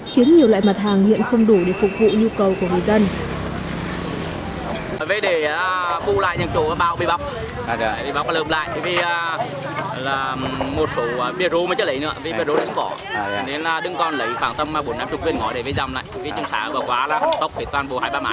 khiến nhiều loại mặt hàng hiện không đủ để phục vụ nhu cầu của người dân